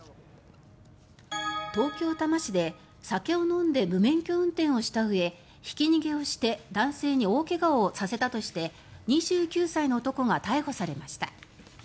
東京・多摩市で酒を飲んで無免許運転をしたうえひき逃げをして男性に大怪我をさせたとして２９歳の男が逮捕されました。